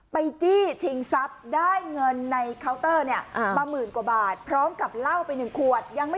ไปจี้ชิงทรัพย์ได้เงินในเคาน์เตอร์เนี่ย